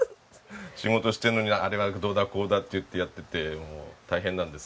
仕事してるのにあれはどうだこうだって言ってやっててもう大変なんです。